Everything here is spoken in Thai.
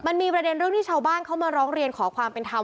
มันมีประเด็นเรื่องที่ชาวบ้านเขามาร้องเรียนขอความเป็นธรรม